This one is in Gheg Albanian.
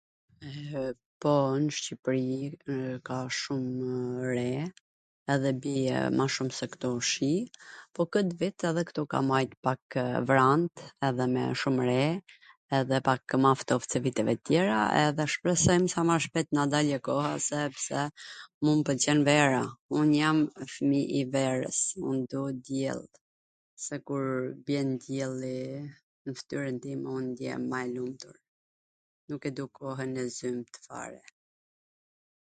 Po, nw Shqipri ka shumw re, edhe bie ma shum se ktu shi, po kwt vit edhe ktu ka majt pak vrant, edhe me shum re, edhe pak ma ftoft se viteve tjera, edhe shpresojm sa ma shpejt tw na dali koha sepse mu m pwlqen vera, un jam fmi i verws, un dua diell, se kur bjen dielli nw ftyrwn time un ndjehem ma e lumtur, nuk e du kohwn e zymt fare.